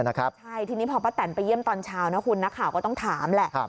ใช่ทีนี้พอป้าแตนไปเยี่ยมตอนเช้านะคุณนักข่าวก็ต้องถามแหละ